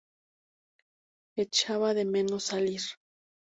Echaba de menos salir.